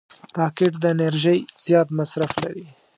راکټ د انرژۍ زیات مصرف لري